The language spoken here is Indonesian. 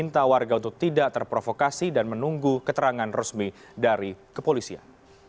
tidak terprovokasi dan menunggu keterangan resmi dari kepolisian